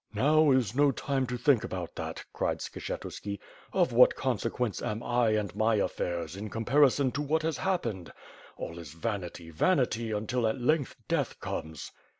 "Now is. no time to think about that," cried Skshetuski. "Of what consequence am I and my affairs, in comparison to what has happened! All is vanity, vanity until at length death comes."